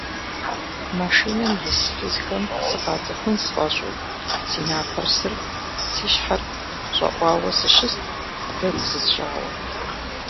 Машинэм ис фызхэм сыкъацӀыхун сфӀэщӀу си напэр сырт, си щхьэр щӀэӀуауэ сыщыст, дэгу зысщӀауэ.